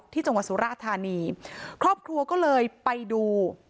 ที่จังหวัดสุราธานีครอบครัวก็เลยไปดู